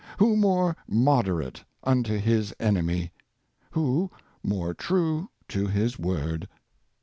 — Who more moderate unto his enemy? — Who more true to his word?